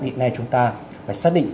hiện nay chúng ta phải xác định